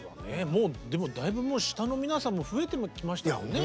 もうでもだいぶ下の皆さんも増えてきましたよね。